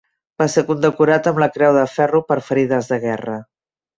Va ser condecorat amb la Creu de Ferro per ferides de guerra.